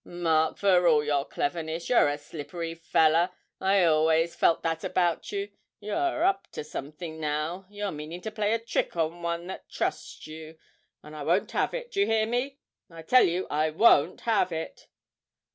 'Mark, for all your cleverness, you're a slippery feller I always felt that about you. You're up to something now you're meaning to play a trick on one that trusts you, and I won't have it do you hear me? I tell you I won't have it!'